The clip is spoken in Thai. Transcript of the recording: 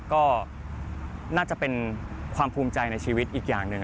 ก็น่าจะเป็นความภูมิใจในชีวิตอีกอย่างหนึ่ง